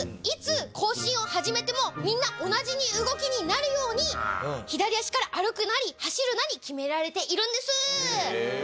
いつ行進を始めてもみんな同じ動きになるように左足から歩くなり走るなり決められているんです。